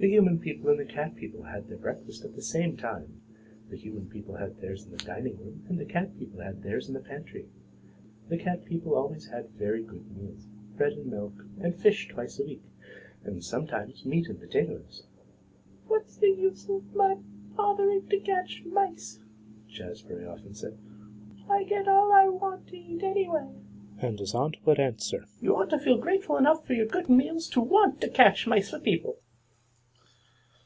The human people and the cat people had their breakfast at the same time. The human people had theirs in the dining room, and the cat people had theirs in the pantry. The cat people always had very good meals; bread and milk, and fish twice a week, and sometimes meat and potatoes. "What's the use of my bothering to catch mice?" Jazbury often said. "I get all I want to eat anyway." And his aunt would answer, "You ought to feel grateful enough for your good meals to want to catch mice for people."